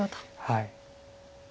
はい。